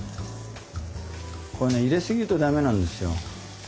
これね入れすぎると駄目なんですよ。